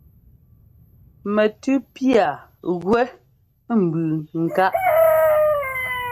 Mɛtʉ́ piâa gúɛ́ nbʉʉ nkáʼ.